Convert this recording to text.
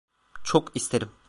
Çok isterim.